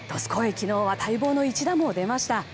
昨日は待望の一打も出ました。